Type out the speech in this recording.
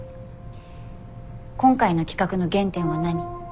今回の企画の原点は何？